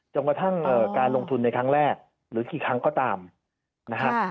กระทั่งการลงทุนในครั้งแรกหรือกี่ครั้งก็ตามนะครับ